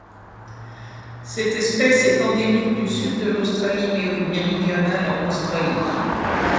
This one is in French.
Cette espèce est endémique du Sud de l'Australie-Méridionale en Australie.